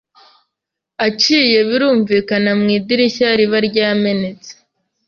aciye birumvikana mu idirishya riba ryamenetse